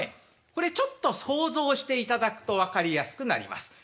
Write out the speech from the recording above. これちょっと想像していただくと分かりやすくなります。